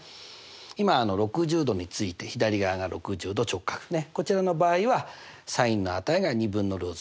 今６０°について左側が６０°直角こちらの場合はｓｉｎの値が２分のルート